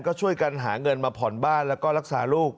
ก็ช่วยกันหาเงินมาผ่อนบ้านแล้วก็รักษาลูก